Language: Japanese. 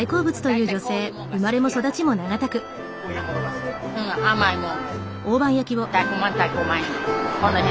うん甘いもん。